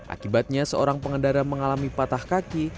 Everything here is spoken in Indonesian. akibatnya seorang pengendara mengalami patah kaki